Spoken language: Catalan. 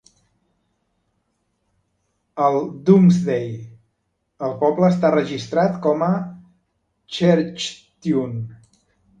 Al "Domesday", el poble està registrat com a Cherchetune.